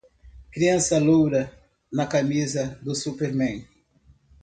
Criança loura na camisa do superman.